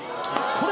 これ？